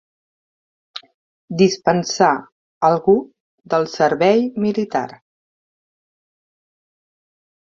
Dispensar algú del servei militar.